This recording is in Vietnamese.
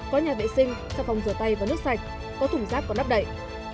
có nhà vệ sinh sau phòng rửa tay và nước sạch có thủng rác còn nắp đẩy